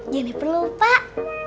jangan diperlukan pak